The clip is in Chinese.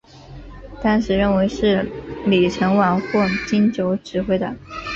当时认为是李承晚或金九指挥的。